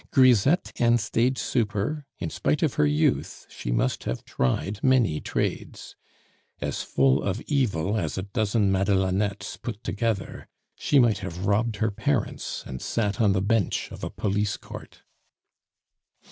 Grisette and stage super, in spite of her youth she must have tried many trades. As full of evil as a dozen Madelonnettes put together, she might have robbed her parents, and sat on the bench of a police court.